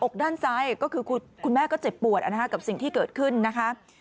อกด้านซ้ายก็คือคุณแม่ก็เจ็บปวดกับสิ่งที่เกิดขึ้นนะคะ